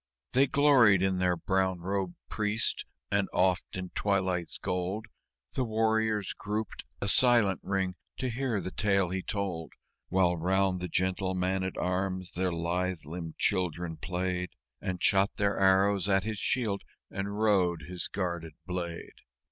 They gloried in their Brown robed Priest; and oft in twilight's gold The warriors grouped, a silent ring, to hear the tale he told, While round the gentle man at arms their lithe limbed children played And shot their arrows at his shield and rode his guarded blade.